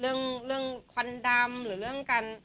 เรื่องควันดำหรือเรื่องการ